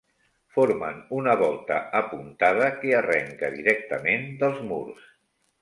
Formen una volta apuntada que arrenca directament dels murs.